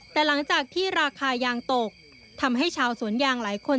แต่หลังจากที่ราคายางตกทำให้ชาวสวนยางหลายคน